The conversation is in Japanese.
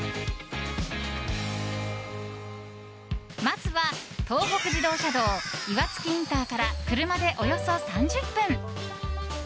まずは東北自動車道岩槻ＩＣから車でおよそ３０分。